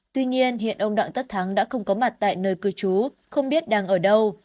tuy nhiên hiện ông đặng tất thắng đã không có mặt tại nơi cư trú không biết đang ở đâu